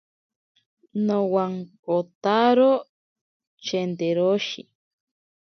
Nowankotaro chenteroshi.